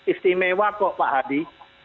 istimewa kok pak adi